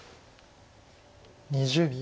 ２０秒。